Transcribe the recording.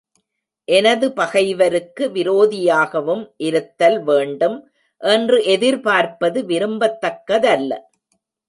எனது பகைவருக்கு விரோதியாகவும் இருத்தல் வேண்டும் என்று எதிர்பார்ப்பது விரும்பத்தக்க தல்ல.